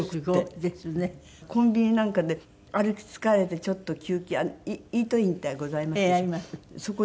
コンビニなんかで歩き疲れてちょっと休憩イートインってございますでしょ。